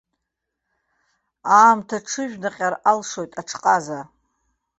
Аамҭа дҽыжәнаҟьар алшоит аҽҟаза.